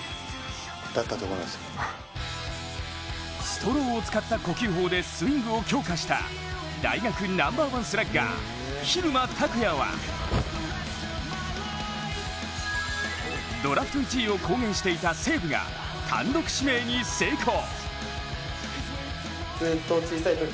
ストローを使った呼吸法でスイングを強化した大学ナンバーワンスラッガー蛭間拓哉はドラフト１位を公言していた西武が単独指名に成功。